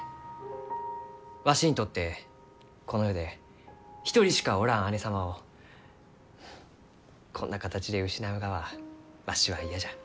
わしにとってこの世で一人しかおらん姉様をこんな形で失うがはわしは嫌じゃ。